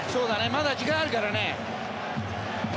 まだ時間あるからね。